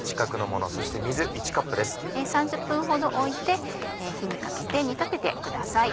３０分ほどおいて火にかけて煮立ててください。